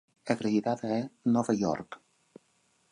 Acreditada a: Nova York.